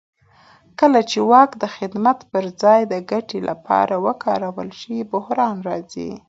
کله چې واک د خدمت پر ځای د ګټې لپاره وکارول شي بحران راځي